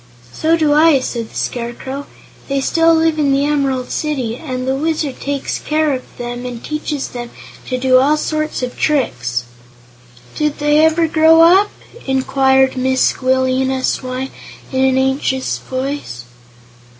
"So do I," said the Scarecrow. "They still live in the Emerald City, and the Wizard takes good care of them and teaches them to do all sorts of tricks." "Did they ever grow up?" inquired Mrs. Squealina Swyne, in an anxious voice.